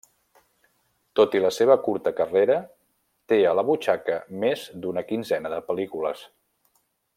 Tot i la seva curta carrera, té a la butxaca més d'una quinzena de pel·lícules.